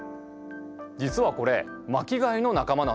実はこれ巻き貝の仲間なんです。